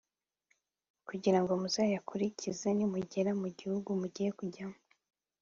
kugira ngo muzayakurikize nimugera mu gihugu mugiye kujyamo